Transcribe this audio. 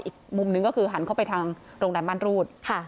อีกมุมนึงก็คือหันเข้าไปทางโรงแรมมั่นรูด